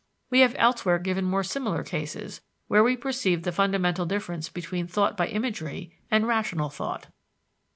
We have elsewhere given more similar cases, where we perceive the fundamental difference between thought by imagery and rational thought.